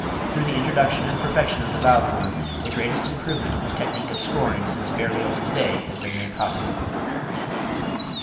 Through the introduction and perfection of the valve horn the greatest improvement in the technique of scoring, since Berlioz's day, has been made possible.